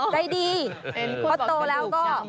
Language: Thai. ไก่ดีเค้าโตแล้วก็